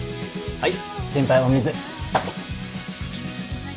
はい？